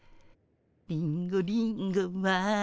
「リンゴリンゴは」